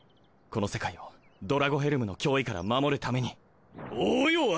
この世界をドラゴヘルムの脅威から守るためにおうよ